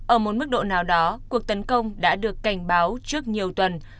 ở một mức độ nào đó cuộc tấn công đã được cảnh báo trước nhiều tuần